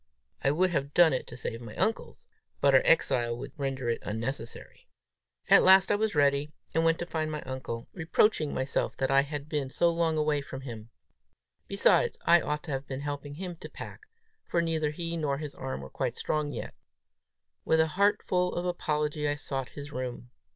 I would have done it to save my uncle's, but our exile would render it unnecessary! At last I was ready, and went to find my uncle, reproaching myself that I had been so long away from him. Besides, I ought to have been helping him to pack, for neither he nor his arm was quite strong yet. With a heartful of apology, I sought his room.